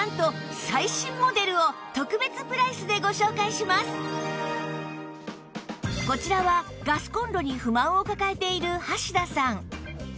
しかも今回はなんとこちらはガスコンロに不満を抱えている橋田さん